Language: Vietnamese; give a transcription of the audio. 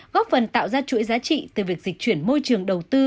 góp phần tạo ra chuỗi giá trị từ việc dịch chuyển môi trường đầu tư